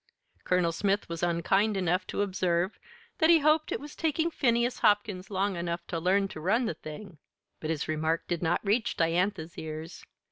Colonel Smith was unkind enough to observe that he hoped it was taking Phineas Hopkins long enough to learn to run the thing; but his remark did not reach Diantha's ears.